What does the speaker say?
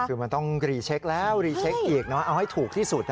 คือมันต้องรีเช็คแล้วรีเช็คอีกเอาให้ถูกที่สุด